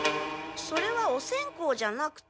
それはお線香じゃなくて。